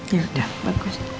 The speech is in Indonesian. ya udah bagus